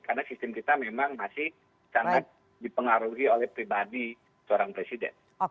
karena sistem kita memang masih sangat dipengaruhi oleh pribadi seorang presiden